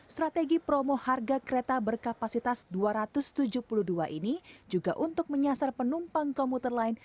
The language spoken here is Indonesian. strategi promo harga kereta berkapasitas dua ratus tujuh puluh dua ini juga untuk menyasar penumpang komuter lain